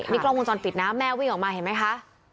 นี่กล้องวงจรปิดนะแม่วิ่งออกมาเห็นไหมคะ